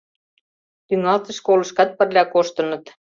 Тӱҥалтыш школышкат пырля коштыныт.